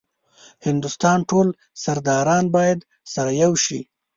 هندوستان ټول سرداران باید سره یو شي.